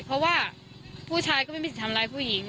เพราะว่าผู้ชายก็ไม่มีสิทธิ์ทำร้ายผู้หญิง